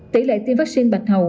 tỷ lệ tiêm vaccine bạch hầu